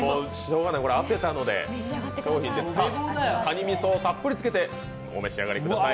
かにみそをたっぷりつけてお召し上がりください。